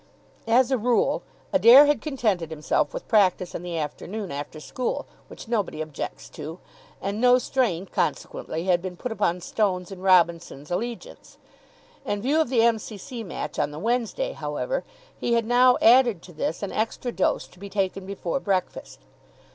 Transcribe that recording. As a rule, Adair had contented himself with practice in the afternoon after school, which nobody objects to; and no strain, consequently, had been put upon Stone's and Robinson's allegiance. In view of the M.C.C. match on the Wednesday, however, he had now added to this an extra dose to be taken before breakfast.